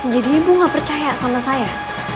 jadi ibu gak percaya sama saya